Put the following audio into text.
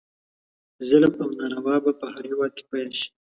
ظلم او ناروا به په هر هیواد کې پیل شي.